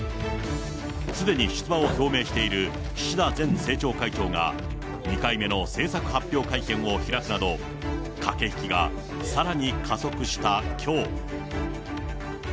すでに出馬を表明している岸田前政調会長が２回目の政策発表会見を開くなど、駆け引きがさらに加速したきょう。